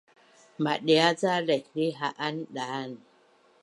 Madia’ ca laihlih ha’an daan